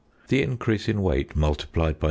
The increase in weight multiplied by 0.